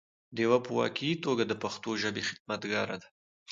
ډيوه په واقعي توګه د پښتو ژبې خدمتګاره ده